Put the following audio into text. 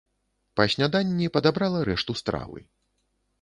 Па сняданні падабрала рэшту стравы.